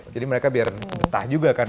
jadi mereka biar betah juga kan